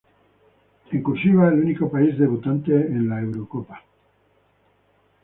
En "cursiva" el único país debutante en la Eurocopa.